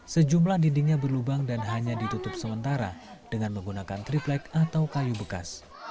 sejumlah dindingnya berlubang dan hanya ditutup sementara dengan menggunakan triplek atau kayu bekas